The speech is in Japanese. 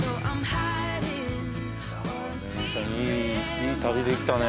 いい旅できたね